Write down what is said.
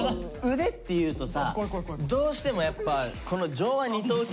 腕っていうとさどうしてもやっぱこの上腕二頭筋。